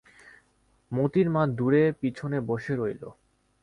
মোতির মা দূরে পিছনে বসে রইল।